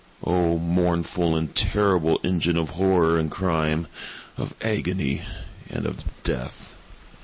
—oh, mournful and terrible engine of Horror and of Crime—of Agony and of Death!